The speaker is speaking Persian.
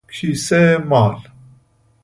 کیسه مال